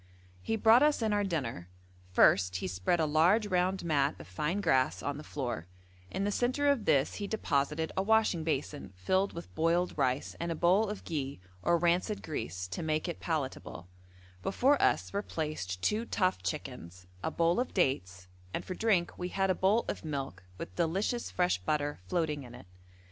He brought us in our dinner: first he spread a large round mat of fine grass on the floor; in the centre of this he deposited a washing basin filled with boiled rice and a bowl of ghi or rancid grease to make it palatable; before us were placed two tough chickens, a bowl of dates, and for drink we had a bowl of milk with delicious fresh butter floating in it.